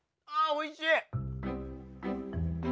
おいしい！